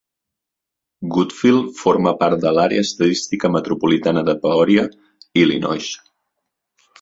Goodfield forma part de l'Àrea estadística metropolitana de Peoria, Illinois.